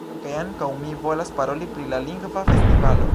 Kaj ankaŭ mi volas paroli pri la lingva festivalo.